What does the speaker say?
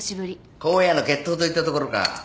荒野の決闘といったところか。